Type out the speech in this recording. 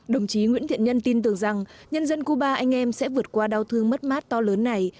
đồng chí nguyễn thiện nhân tin tưởng rằng nhân dân cuba anh em sẽ vượt qua đau thương mất mát to lớn này